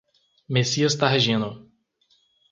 Messias Targino